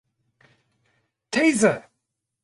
Taser!